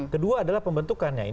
kedua adalah pembentukannya